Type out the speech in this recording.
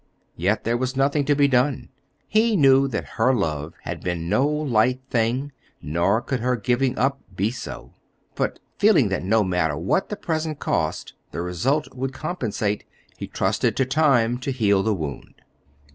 Yet there was nothing to be done. He knew that her love had been no light thing nor could her giving up be so; but feeling that no matter what the present cost, the result would compensate, he trusted to time to heal the wound.